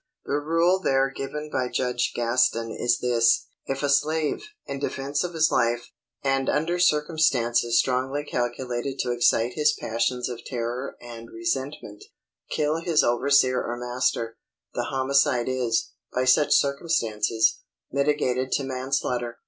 The rule there given by Judge Gaston is this: 'If a slave, in defence of his life, and under circumstances strongly calculated to excite his passions of terror and resentment, kill his overseer or master, the homicide is, by such circumstances, mitigated to manslaughter.